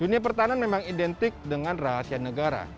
dunia pertahanan memang identik dengan rahasia negara